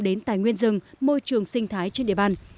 đến tài nguyên rừng môi trường sinh thái trên địa bàn